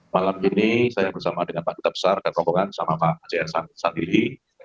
malam ini saya bersama dengan pak kutab sar dan rokokan sama pak haji hasan sandili